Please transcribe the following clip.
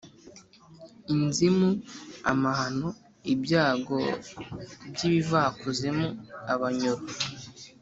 Inzimu: amahano, ibyago by’ibivakuzimu (Abanyoro).